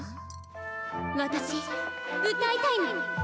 私歌いたいの。